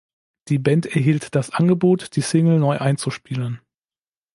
Die Band erhielt das Angebot, die Single neu einzuspielen.